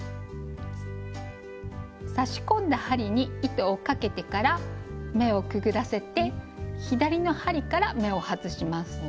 差し込んだ針に糸をかけてから目をくぐらせて左の針から目を外します。